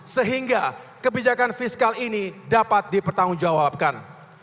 sehingga kebijakan fiskal ini dapat dipertanggungjawabkan